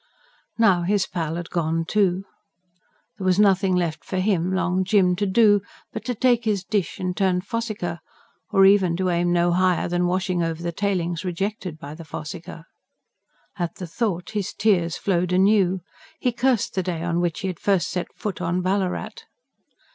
Now, his pal had gone, too. There was nothing left for him, Long Jim, to do, but to take his dish and turn fossicker; or even to aim no higher than washing over the tailings rejected by the fossicker. At the thought his tears flowed anew. He cursed the day on which he had first set foot on Ballarat.